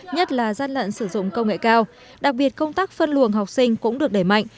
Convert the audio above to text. nhất là gian lận sử dụng công nghệ cao đặc biệt công tác phân luồng học sinh cũng được đẩy mạnh